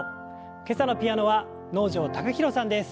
今朝のピアノは能條貴大さんです。